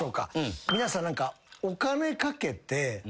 皆さん何か。